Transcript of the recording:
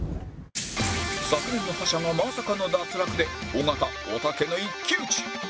昨年の覇者がまさかの脱落で尾形おたけの一騎打ち